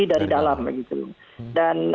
dari dalam dan